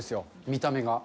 見た目が。